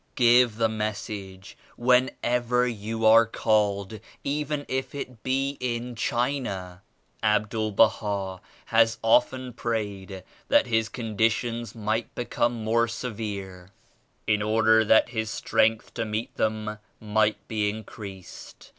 " "Give the Message whenever you are called, even if it be in China. Abdul Baha has often prayed that his conditions might become more severe in order that his strength to meet them might be increased.